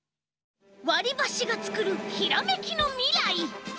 わりばしがつくるひらめきのみらい。